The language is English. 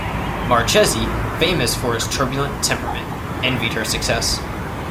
Marchesi, famous for his turbulent temperament, envied her success.